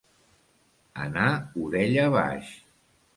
Anar orella baix.